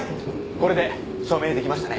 これで証明出来ましたね。